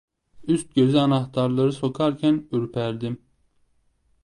Üst göze anahtarı sokarken ürperdim.